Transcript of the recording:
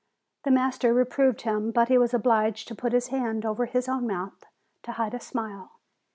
The master reproved him; but he was obliged to put his hand over his own mouth to hide a smile.